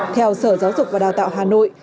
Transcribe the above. theo sở giáo dục và đào tạo hà nội